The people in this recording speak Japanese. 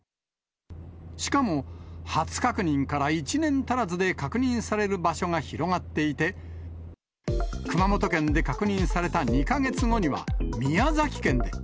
しかも初確認から１年足らずで確認される場所が広がっていて、熊本県で確認された２か月後には、宮崎県で。